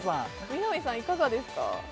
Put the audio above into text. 南さんいかがですか？